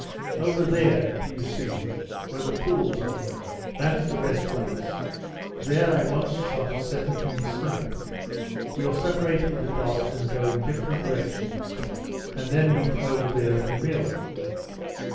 Over there, do you see, where the pools are? That's the best place. There I once shot seventeen snipe. We'll separate with the dogs and go in different directions, and then meet over there at the mill."